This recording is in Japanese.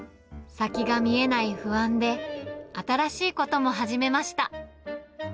先が見えない不安で、新しいことも始めました。